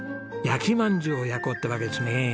焼まんじゅうを焼こうってわけですね！